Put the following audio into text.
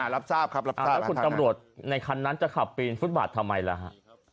แล้วคุณตำรวจในคันนั้นจะขับปีนฟุตบาททำไมล่ะฮะ